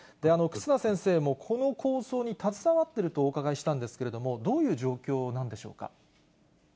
忽那先生もこの構想に携わっているとお伺いしたんですけれども、どういう状況なんでしょうか。